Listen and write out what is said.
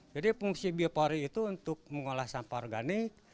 jadi fungsi biopori itu untuk mengolah sampah organik